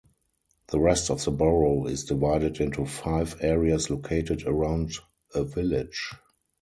The rest of the borough is divided into five areas located around a village.